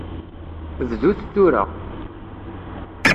Bdut tura.